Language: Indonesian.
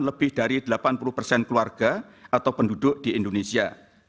lebih dari delapan puluh persen keluarga atau penduduk di indonesia